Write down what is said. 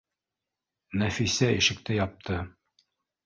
Нәфисә ишекте япты